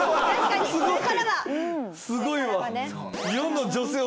すごいわ。